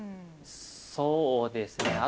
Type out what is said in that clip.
そうですね